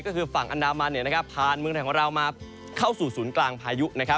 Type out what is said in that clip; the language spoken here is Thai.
ก็คือฝั่งอันดามันผ่านเมืองไทยของเรามาเข้าสู่ศูนย์กลางพายุ